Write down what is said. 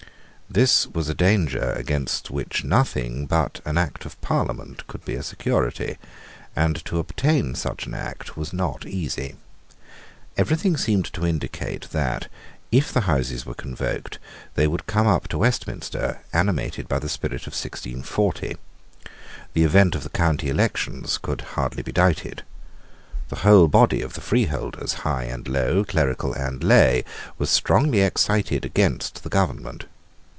This was a danger against which nothing but, an Act of Parliament could be a security; and to obtain such an Act was not easy. Everything seemed to indicate that, if the Houses were convoked, they would come up to Westminster animated by the spirit of 1640. The event of the county elections could hardly be doubted. The whole body of freeholders, high and low, clerical and lay, was strongly excited against the government.